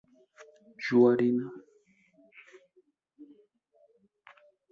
Juarina